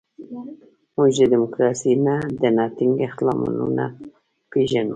موږ د ډیموکراسۍ د نه ټینګښت لاملونه پېژنو.